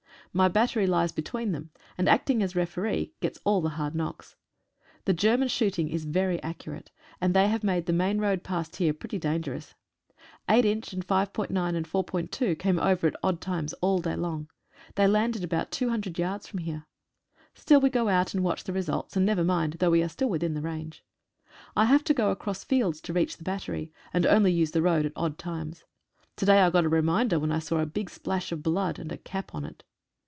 My battery lies between them, and, acting as referee, gets all the hard knocks. The German shooting is very accurate, and they have made the main road past here pretty dangerous, 8in. and 5.9 and 4.2 came over at odd times all day long. They landed about 200 yards from here. Still we go out and watch the results, and never mind, though we are still within the range. I have to go across fields to reach the battery, and only use the road at odd times. To day I got a reminder when I saw a big splash of blood and a cap on it.